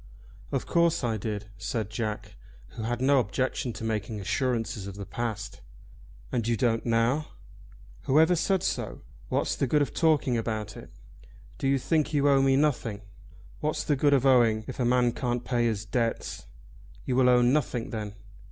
"Of course I did," said Jack, who had no objection to making assurances of the past. "And you don't now?" "Whoever said so? What's the good of talking about it?" "Do you think you owe me nothing?" "What's the good of owing, if a man can't pay his debts?" "You will own nothing then?"